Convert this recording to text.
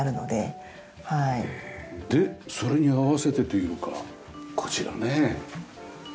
でそれに合わせてというかこちらね。